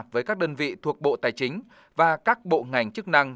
với các đơn vị thuộc bộ tài chính và các bộ ngành chức năng